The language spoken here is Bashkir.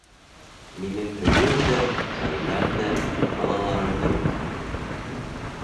Минең өйөм дә, ғаиләм дә, балаларым да юҡ.